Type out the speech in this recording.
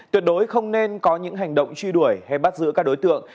tuyệt đối không nên có những hành động truy đuổi hay bắt giữ các đối tượng